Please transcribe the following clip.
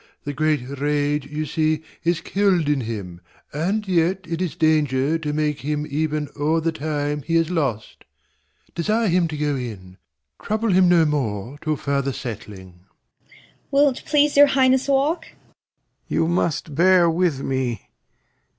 The great rage You see is kill'd in him; and yet it is danger To make him even o'er the time he has lost. Desire him to go in. Trouble him no more Till further settling. Cor. Will't please your Highness walk? Lear. You must bear with me.